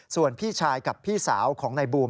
ส่วนพี่ชายกับพี่สาวของนายบูม